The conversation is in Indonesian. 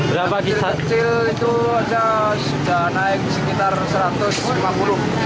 idul adha sudah naik sekitar rp satu ratus lima puluh